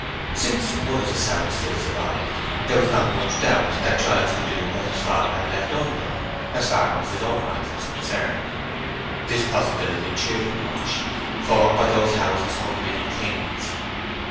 Since one of the Souths still survived, there was not much doubt that Giles could do what his father had left undone, as far as his own life was concerned. This possibility cheered him much, for by those houses hung many things.